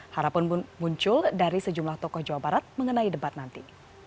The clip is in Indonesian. harapan muncul dari sejumlah tokoh jawa barat mengenai debat nanti